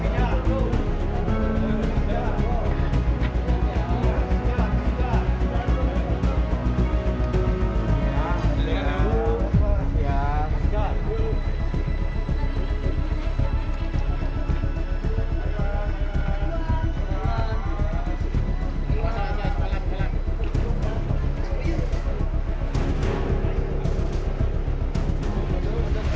jalan jalan jalan